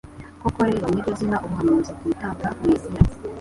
Koko rero, ni ryo zina ubuhanuzi bwitaga Mesiya.